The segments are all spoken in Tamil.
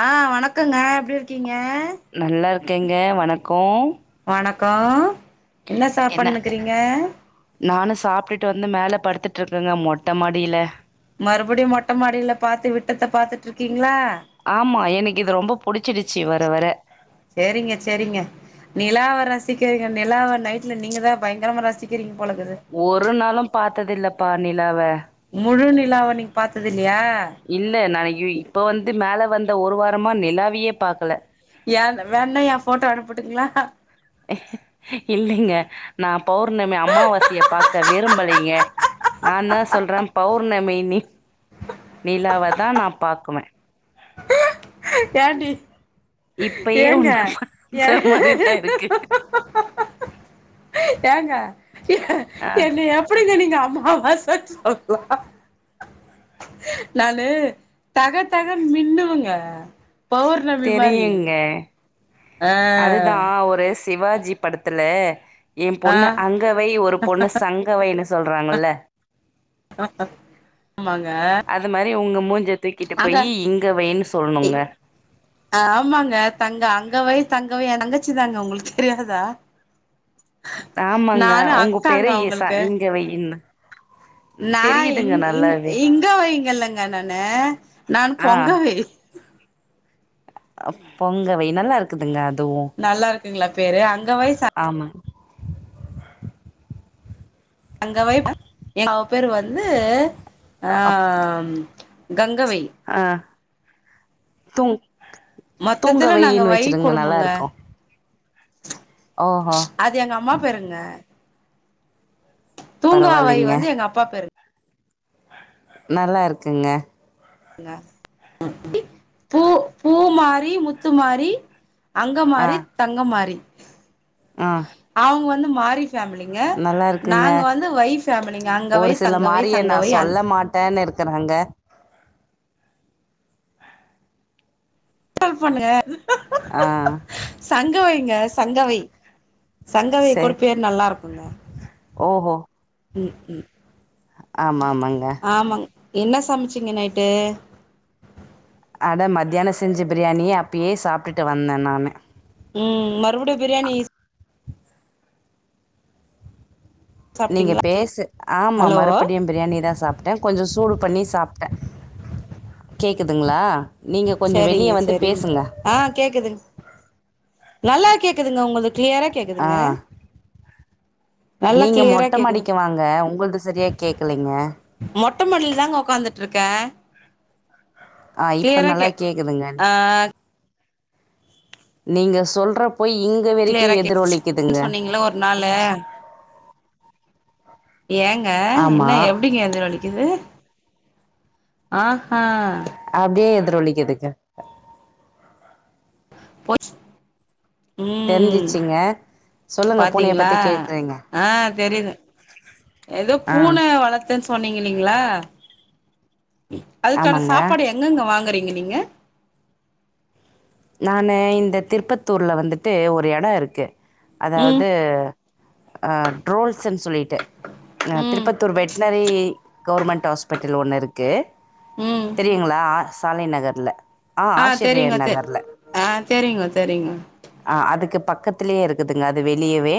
ஆ வணக்கங்க எப்டிரு கீங்க நல்லாருக்கேங்க வணக்கோ வணக்கோ என்ன சாப்பட்னுக்குறீங்க நானு சாப்டுட்டு வந்து மேல படுத்துட்ருக்கேங்க மொட்ட மாடில மறுபடியு மொட்டமாடில பாத்து விட்டத்த பாத்துட்ருக்கீங் ஆமா எனக்கு இது ரொம்ப புடிச்சிடுச்சு வ வரவர சேரிங்க சேரிங்க நிலாவ ரசிக்கிறீங்க நிலாவ நைட்ல நீங்க தா பயங்கரமா ரசிக்கிறீங்க போலக்குது ஒரு நாளும் பாத்ததில்லப்பா நிலாவ முழு நிலாவ நீங்க பாத்தது இல்லையா இல்ல நா இங்கு இப்ப வந்து மேல வந் ஒரு வாரமா நிலாவ்யே பாக்கல ஏ வேன்னா ஏ ஃபோட்டோ அனுப்பட்டுங்களா இல்லைங்க நா பௌர்ணமி அம்மாவாசைய பாக்க விரும்பலைங்க நாந்தா சொல்றே பௌர் ணமி நி நிலாவ தா நா பாக்குவே ஏண்டி ஏங்க உன்ன ஏ பாத்த மாரி தான் இருக்கு. ஏங்க ஏ ஆ என்னய எப்டிங்க நீ ங்க அம்மாவாச சொல்லலா நானு தகத்தகன் மின்னுவேங்க பௌர்ணமி மாரி ஆ அதுதா ஒருஸ் சிவாஜி படத்துலே ஏ ஆ பொண்ணு அங்கவை ஒரு பொண்ணு சங்கவைன்னு ஸ் சொல்றாங்கல்ல ஆமாங்க அது மாரி உங்க மூஞ்ச தூக்கிட்டு அங்க போயி இங்க வைன்னு இ சொல்ணுங்க. ஆமாங்க தங்க அங்கவை தங் கவை எந்தங்கச்சி தாங்க உங்ளுக்கு தெரியாதா ஆமாங்க நானு உங்க அக்காங்க பேரு ஈசா அவங்களுக்கு இங்கவையின்னு நா இங் இங் இங்கவைங்கல்லங்க நானு நான் பொங்கவை அ பொங்கவை நல்லாருக்குதுங்க அத் நல்லாருக்குங்களா பேரு அங்கவை சங் ஆமா. அங்கவை மவூ பேரு வந்து ஆ அப் ம் ரங்கவை ஆ தூங் மொத்தத்துல நாங்க தூங்கவைன் வை வச்சிருங்க குடும்பங்க நல்லாருக்கூ அது எங்கம்மா பேருங்க தூங்காவை பரவால்லைங்க. வந்து எங்க அப்பா பேரு நல்லாருக்குங்க பூ பூமாரி முத்துமாரி ஆ அங்கமாரி தங்கமாரி ஆ அவுங்க வந் ந்து மாரி ஃபேமிலிங்க நல்லா இருக்குங்க நாங்க வந்து வை ஃபேமிலிங்க அங்கவை ஒரு சில தங்கவை மாரிய நா சங்கவை அந் சொல்ல மாட்டேன்னு இருக்குறேங்க [unintelligible] பண்ணுக ஆஹ் கவைங்க சங்கவை சங்கவை சரி கூடு பேர் நல்லா இருக்குங்க ஓஹோ ம் ம் ஆமாம் ஆமாங்க ஆமாங் என்ன சம்ச்சீங்க நைட்டு அட மத்தியான செஞ்சு பிரியாணி அப்பியே சாப்டுட்டு வந்தே நானு உம் மறுபுடியு பிரியாணி நீங்க சாப்ட்டீங்களா பேசு ஆமா ஹலோ மறுப்பிடியு பிரியாணி தா சாப்ட்டே கொஞ்சோ சூடு பண்ணி சாப்ட்டே கேக்குதுங்ளா நீங்க கொஞ்சு சரிங்க வெளிய வந்து சரிங்க பேசுங்க ஆ கேக்குதுங் நல்லா கேக்குதுங்க ஒங்களுக் க்ளியரா ஆ கேக்குதுங்க நல்லா நீங்கள் க்ளியரா மொட்டை கேக்குது மாடிக்கு வாங்க உங்களது சரியாக கேட்கலைங்க மொட்டமாடில்தாங்க ஒக்காந்துட்ருக்கே ஆஹ் இப்ப நல்லா கேக்குதுங்க ஆ நீங்க சொல்ற க்ளியரா கேட்ச்சு சொன்னீங்கள ஒரு நாளு ஏங்க என்ன ஆமாம் எப்டிங்க எதிரொலிக்குது ஆஹ் ஹா அப்டியே எதிரொலிக்கிதுங்க போய்ச் உம் தெரிஞ்சிச்சிங்க சொல்லுங்க பூனைய பாத்தீங்ளா பத்தி கேக்குறீங்க ஆஹ் தெரிது எதோ ஆ பூன வளர்த்தன் சொன்னீங் இல்லீங்ளா அதுக்கான ஆமாங்க சாப்பாடு எங்கங்க வாங்குறீ ங்குவிங்க நானு இந்த திருப்பத்தூர்ல வந்துட்டு ஒரு எடொ இருக்கு ம் அதாவது ஆஹ் ட்ரோல்ஸெம்ஸ் சொல்லிட்டு ந ம் திருப்பத்தூர் வெட்னரி கவுர்மெண்ட் ஆஸ்பெட்டில் ஒன்னு இருக்கு ம் தெரியுங்ளா சாலை நகர்ல ஆஹ் ஆஸ்சிரியர் நகர்ல ஆஹ் செரிங் செரிங்க செரிங்க அஹ் அதுக்கு பக்கத்துலயே இருக்குதுங்க அது வெளியவே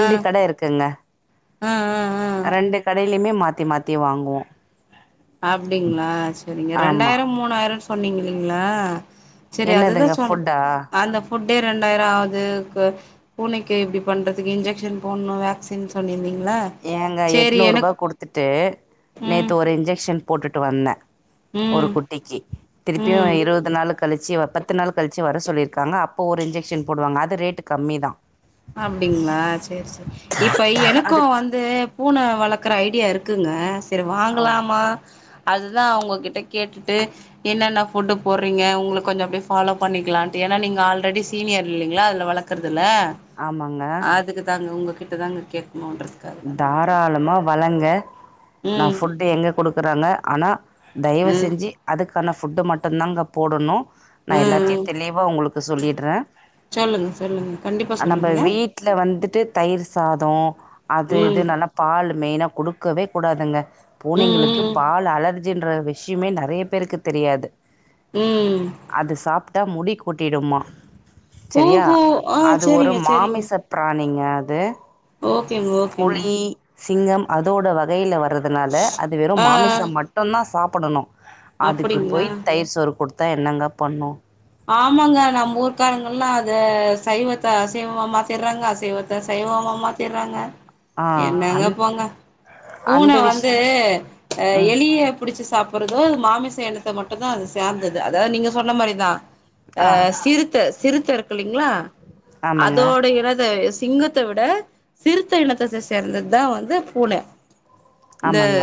ஆ கடை இருக்குங்க ஆ ஆ ஆ ரெண்டு கடையிலயுமே மாத்த மாதி மாத்தி வாங்குவோ அப்டிங்களா செரிங்க ஆமா ரெண்டாயிரம் மூணாயிரம்னு சொன்னீங்க ங்ளா என்னதுங்க ஃபுட்டா கே ரெண்டாயிரொ ஆவுது பூனைக்கே இப்டி பண்றதுக்கு இன்ஜெக்க்ஷன் போடனு வேக்சின் சொல்லியிருந்தீங்க எங்க எட்நூறு ரூபா குடுத்துட்டு ம் நேத்து ஒரு இன்ஜெக்க்ஷன் போட்டுட்டு வந்தே ஒரு ம் குட்டிக்கு திருப்பியு ம் இருபது நாளு கழிச்சு பத்து நாளு கழிச்சு வர சொல்லிரு இருக்காங்க அப்போ ஒரு இன்ஜெகக்ஷன் போடுவாங்க அது ரேட்டு கம்மி தான் அப்டிங்களா செரி செரி இப்ப எனக்கு அது வந்து இது பூனை வளர்க்குற ஐடியா இருக்குங்க செரி ஓ வாங்கலாமா அதுதா அவங்க கிட்ட கேட்டுட்டு என்னென்ன ஃபுட்டு போடுறீங்க உங்களுக்கு கொஞ்சோ அப்டியே ஃபாலோ பண்ணிக்கலான்ட்டு ஏன்னா நீங்கள் ஆல்ரெடி சீனியர் இல்லைங்களா அதில் வளர்க்குறதுல்ல ஆமாங்க அதுக்கு தாங்க உங்க கிட்டதான்ங்க கே தாராளமா வளங்க நான் ம் ஃபுட் எங்க கொடுக்குறாங்க அனா தயவு ம் செஞ்சு அதுக்கு க்கான ஃபுட்டு மட்டுந்தான்ங்க போடணு நா ம் எல்லாத்தையு ம் தெளிவா உங்களுக்கு சொல்லிடுறே சொல்லுங்க சொல்லுங்க கண்டிப்பா நம்ம சொல்லுங்க வீட்டுல வந்துட்டு தயிர் சாதோ அது ம் இது நல்லா பாலுமே ஏன்னா கொடுக்கவே கூடாதுங்க பூனைங்களுக்கு ம் பால் அலர் அலர்ஜின்ற விஷ்யமே நெறய பேருக்கு தெரியாது உம் தா முடி கொட்டிடுமா செரியா ஓஹோ ஆ அது ஒரு சரிங்க மாமிச பிராணிங் க அது ஓ செரி ஓகேங்க புலி, சிங்கம் அதோட வகைல வ றதுனால அது வெறு ஆ ஆ மாமிசம் மட்டுந்தா சாப் ப்படுணு அதுக்கு அப்படிங்களா போய் தயிர் சோறு கொடுத் த என்னங்க பண்ணு ஆமாங்க நம்ம ஊர்க்காாரங்கள்லா அது சைவத்த அசைவமா மாதிர்றாங்க அசைவத்தை சைவமா மாதிர்றாங்க ஆ. என்னங்க அந் போங்க அந்த பூன வந்து விஷயம் அ ம். எளிய புடிச்ச ச சாப்புடுறது மாமிச எனத்த மட்டுதா அது சார்ந்தது அதா நீங்க சொன்ன மாரிதா ஆ சிறுத்த சிறுத்த ருக்குலிங் ங்களா ஆமாங்க. அதோட [unintelligible] சிங்கத்த விட சிறுத்த இனத்த சே சேந்ததுதா வந்து பூன இந்த ஆமாங்க.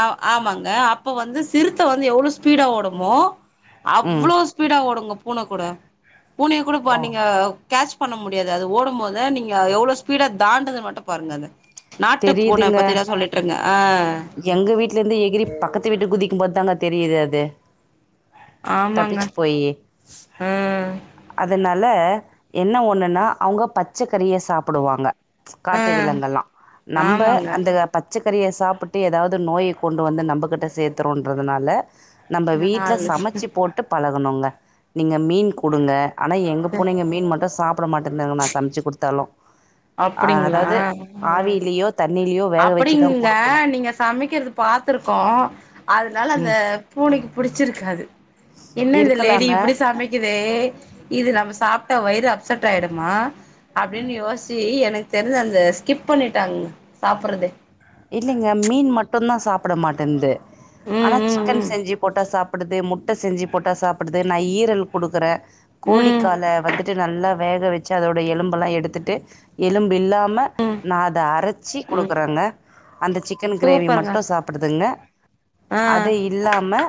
அ ஆமாங்க அப்ப வந்து சிறுத்த வந்து எவ்ளோ ஸ்பீடா ஓடுமோ ம் அவ்ளோ ஸ்பீடா ஓடுங்க பூன கூட பூனிய குடுப்பா ஓ நீங்க கேச் பண்ண முடியாது அது ஓடும் போதே நீங்க எவ்ளோ ஸ்பீடா தாண்டுது மட்டு பாருங்க அத தெரிதுங்க எங்க வீட்ல இருந்தே ஏகிரி பக்கத்து வீட்டு குதிக் போதாங்க தெரிது அது ஆமாங்க தப்பிச்சு போயி ஆ அத நா ன என்ன ஒண்ணுன்னா அவங்க பச்சகறிய சாப்புடுவாங்க ஆ காட்டு விலங்கல்லா நம்ப ஆமாங்க அந்த பச்ச பச்சகறிய சாப்பிட்டு எதாது நோய கொண்டு வந்து நம்பகிட்ட சேத்துன்றதுனால நம்ப இன்னு வீட்ல நாலு நிமிஷோ சமச்சு போட்டு பல [unintelligible] நீங்க மீன் குடுங்க ஆனா எங்க பூணைங்க மீன் மட்டு சாப்பட மாட்டேந்து நா சம்ச்சு குடுத்தாலு அதாவது ஆவி அப்டிங்க நீங்க சமைக்கிறது பாத்துருகோ னால அந்த ம் பூனைக்கு புடுடிச்சிருகாது என்ன இந்த லேடி இருக்கலாங்க இப்பிடி சமைக்குதே இது நம்ம சாப்ட்டா வயிறு அப்செட் ஆயிடுமா அப்டின் யோசிச்சு எனக் தெரிஞ்சு அந்த ஸ்கிப் பண்ணிட்டாங் சாப்புறது சாப்பட மாட்டன்து ம் ஆனா சிக்கன் ம் செஞ்சி போட்டா சாப் புடுது முட்ட செஞ்சு போட்டா சாப்புடுது நா ஈரல் குடுக்குறே ம் கோழிக் ம் கால வந்துட்டு நல்லா வேக வெச்சு அதோட எலும்புலா எடுத்துட்டு எலும்பு இல்லா ம நா அத அரைச்சி ம் குடுக்குறங்க அந்த சிக்கன் கிரேவி சூப்பருங்க மட்டு சாப்புடுதுங்க ஆ அது இல்லாம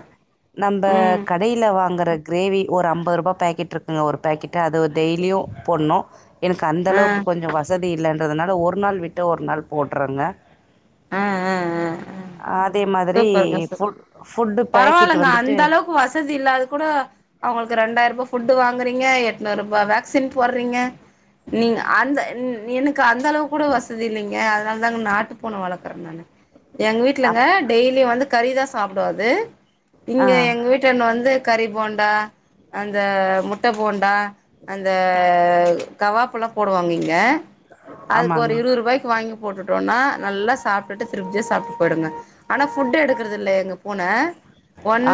நம்ப ம் கடையில வாங்கற கிரேவி ஒரு அம்பது ருபா பேக்கெட் இருக்குங்க ஒரு பேக்கெட் டு அது டெய்லியு போடுணு எனக்கு ஆ அந்தளவுக்கு கொஞ்ச வசதி இல்லன்றதுனால ஒரு நாள் விட்டு ஒரு நாள் போட்றங்க ஆ ஆ ஆ ஆ அதே மாதிரி சூப்பருங்க சூப்பர் ஃபுட் ஃபுட்டு பேக்கெட் பரவால்லங்க வந்துட்டு அந்தளவுக்கு வசதி இல்லாது கூட அவுங்களுக்கு ரெண்டாயிருபா ஃபுட் குடுத்து வாங்கறிங்க எட்நூறுபா வேக்சின் போடறிங்க நீங்க அந்த என் எனக்கு அந்தளவுக்கு கூட வசதி இல்லீங்க அதனால தாங்க நாட்டுப் பூன வளக்கற நானு எங் வீட்லங்க அப் டெய்லி வந்து கறிதா சாப்டு அது ஆ இங்க எங்க வீட்டாண்ண வந்து கறி போண்டா அந்த முட் ட போண்டா அந்த கவாப்லா போடுவாங்க இங்க அதுக்கு ஆமாங்க ஒரு இருவது ருவாய்க்கு வாங்கி போட்டுட்டோன்னா நல்லா சாப்ட்டுட்டு திருப்தியா சாப்ட்டு போயிடுங்க ஆனா ஃபுட்டு எடுக்கறதில்ல எங்க பூன,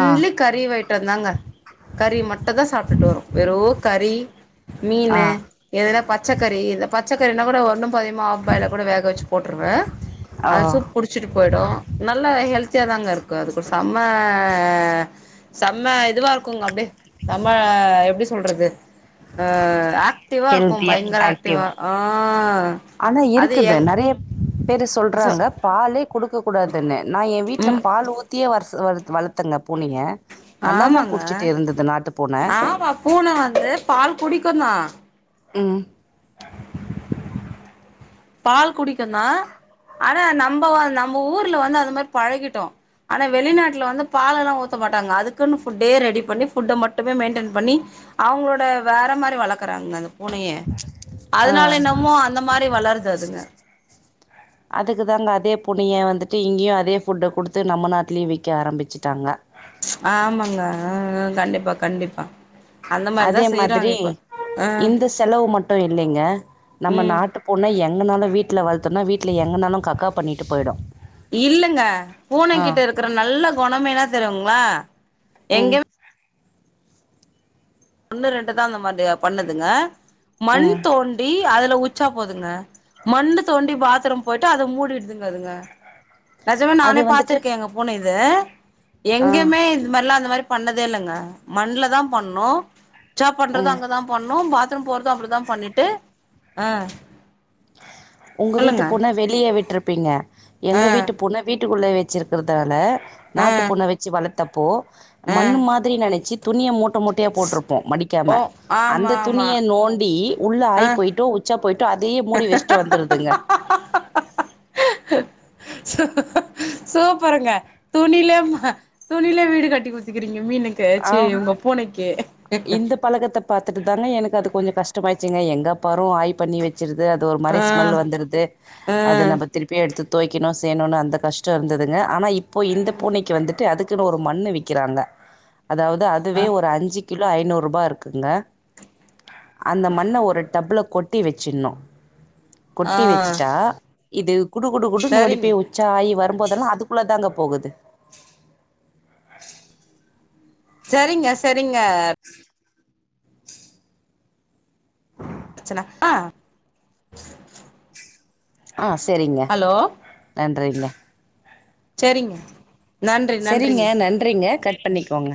ஆ கறி ஐட்டதாங்க கறி மட்டுந்தா சாப்ட்டுட்டு வரு வெறு ஓ கறி ஆ மீனு எதுனா பச்சக்கறி இந்த பச் ச கறினாகூட ஒன்னும் ப்ப அதிகமா ஆஃப்பாயில கூட வேக வச்சு போட்ருவே ஓ அது சூப் குடிச்சிட்டு போயிடு நல்ல ஹெல்த்தியா தாங்க இருக்கும் அதுக்கு செம்ம செம்ம இதுவா இருக்குங்க அப்டே செம்ம எப்டி சொல்றது ஆ ஆக்டிவா இருக்கும் ஹெல்த்தியாக பயங்கர ஆக்டிவா ஆக்டிவாக ஆ ஆனா அது இருக்குங்க எங் நெறய பேரு சொ சொல்றாங்க பாலே குடுக்க கூடாதுனு நா என் வீடுல ம் பால் ஊத்தியே வர்த் சோ அதுக்கு வளத்ங்க பூனய ஆமாங்க பூன. ஆமா பூன வந்து பால் குடிக்கும் தான் உம் பால் குடிக்கும் தான் ஆனா நம்ப நம்ம ஊர்ல வந்து அந்த மாரி பழகிட்டோம் ஆனா வெளிநாட்டுல வந்து பாலெல்லா ஊத்த மாட்டாங்க அதுக்குன்னு ஃபுட்டே ரெடி பண்ணி ஃபுட்ட மட்டுமே மெயின்டைன் பண்ணி அவங்களோட வேற மாரி வளர்க்குறாங்க பூனையே ஆ. அதனால என்னமோ அந்த மாரி வளர்து அதுங்க அதுக்குதாங்க அதே பூனைய வந்துட்டு இங்கேயும் அதே ஃபுட்ட குடுத்து நம்ம நாட்டுலயும் வைக்க ஆரம்பிச்சுட்டாங்க ஆமாங்க ஹ கண்டிப்பா கண்டிப்பா அந்த மாரிதா அதே செய்யறாங்க மாதிரி இப்ப ஆ இந்த செலவு மட்டும் இல்லைங்க நம்ம ம் நாட்டு பூன எங்க எங்கனாலும் வீட்டுல வளத்தோனா வீட்டுல எங்கனாலும் கக்கா பண்ணிட்டு போயிடும் இல்லங்க பூனை ஆ. கிட்ட இருக்கற நல்ல குணமே என்ன தருங்களா உம் ஒண்ணு ரெண்டு தான் அந்த மாதிரி பண்ணுதுங்க மண் ம். தோண்டி அதுல உச்சா போதுங்க மண்ணு தோண்டி பாத்ரூம் போயிட்டு அத மூடிடுதுங்க அதுங்க நெஜமே அது நானே வந்துட்டு பாத்திருக்கேன் எங்க பூனை இது த ஆ. எங்கயுமே இது மாதிரிலா அந்த மாரி பண்ணதே இல்லங்க மண்ணுல தான் பண்ணோம் உச்சா பண்றது ம். அங்கதான் பண்ணும் பாத் பாத்ரூம் போறதும் அப்படிதான் பண்ணிட்டு அஹ் உங்க வீட்டு பூன வெளியே விட்டுருப் விட்ரிப்பிங்க ஆ எங்க வீட்டு புன வீட்டுக்குள்ள வச்சு வச்சுருக்கறதால ஆ நாட்டுப் பூன வச்சு வளத் தப்போ ஆ மண்ணு மாத்ரி நெனைச்சு துணிய மூட்ட மூட்டையா போட்டிருப்போ மடிக்காம ஓ ஆமா அந்த ஆமா துணிய நோண்டி உள்ள ஆ ஆயி போயிட்டு உச்சா போய் டு அது மூடி வச்சிட்டு வந்துருதுங்க சூ சூப்பருங்க துணில ம துணில வீடு கட்டி குத்துக்கிறீங்க மீனுக் க்கே ஆ சீ உங்க பூனைக்கு இந்த பழக்கத்த பாத்துட்டு தாங்க எனக்கு அது கொஞ்சோ கஷ்டமா ச்சுங்க எங்க பா ஓ ஆய் பண்ணி வச்சிருது அது ஒரு ஆ மாரி ஸ்மெல் வந்துருது ஆ அது நம்ம திருப்பி எடுத்துத் துவைக்கணூ செய்யணூனு அந்த கஷ்டோ இருந்ததுங்க ஆனா இப் போய் இந்த பூனைக்கு வந்துட்டு அதுக் குன்னு ஒரு மண்ணு விக்கிறாங்க அதாவது அதுவே ஒரு அஞ்சி கிலோ ஐநூற்ரூபா இருக்குங்க அந்த மண்ண ஒரு டப்ல கொட்டி வச்சிட்ணூ ஆ கொட்டி வச்சுட்டா இது குடு குடு குடுனு ஓடி சரிங்க போய் உச்சா ஆயி வ வரும்போதெல்லா அதுக்குள்ளதாங்க போகுது செரிங்க செரிங்க அ ச்சனா ஆ ஆ செரிங்க ஹலோ நன் றீங்க செரிங்க செரிங்க நன்றிங்க கட் பண்ணிக்கோங்க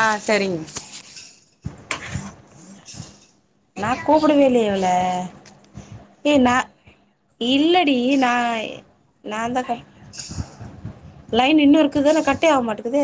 ஆ செரிங் நா கூப்டவேல்லையே இவள ஏ நா இல்லடி நா நாந்தாக்க லைன் இன்னூ இருக்குது எனா கட்டே ஆவ மாட்டேக்குது